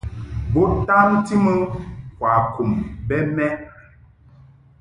Bo tamti mɨ kwakum bɛ mɛʼ.